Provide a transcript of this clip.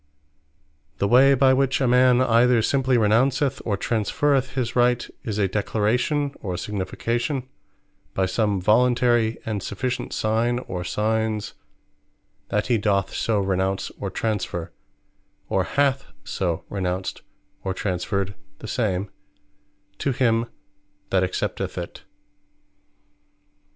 The way by which a man either simply Renounceth, or Transferreth his Right, is a Declaration, or Signification, by some voluntary and sufficient signe, or signes, that he doth so Renounce, or Transferre; or hath so Renounced, or Transferred the same, to him that accepteth it.